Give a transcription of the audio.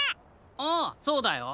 ああそうだよ！